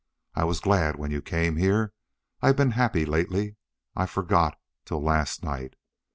I was glad when you came here. I've been happy lately. I forgot till last night.